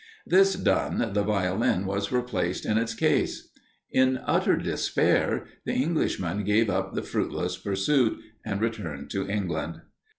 This done, the Violin was replaced in its case. In utter despair, the Englishman gave up the fruitless pursuit, and returned to England.